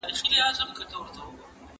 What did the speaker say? ¬ مفت شراب قاضي لا خوړلي دي.